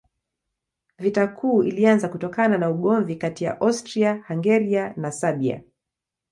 Vita Kuu ilianza kutokana na ugomvi kati ya Austria-Hungaria na Serbia.